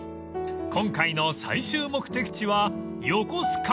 ［今回の最終目的地は横須賀］